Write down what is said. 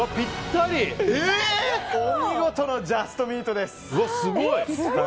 お見事なジャストミートです。